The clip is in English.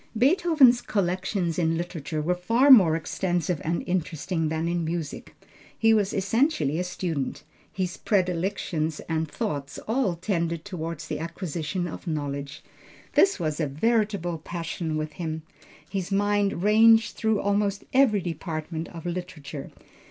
Beethoven's collections in literature were far more extensive and interesting than in music. He was essentially a student. His predilections and thoughts all tended toward the acquisition of knowledge. This was a veritable passion with him. His mind ranged through almost every department of literature.